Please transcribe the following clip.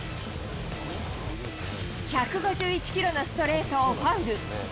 １５１キロのストレートをファウル。